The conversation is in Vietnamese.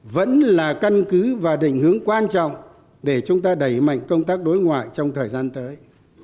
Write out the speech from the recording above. vẫn là căn cứ và định hướng quan trọng để chúng ta đẩy mạnh công tác đối ngoại trong thời gian tới